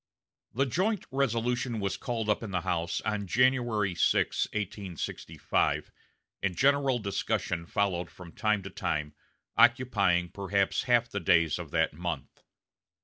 The joint resolution was called up in the House on January 6, 1865, and general discussion followed from time to time, occupying perhaps half the days of that month.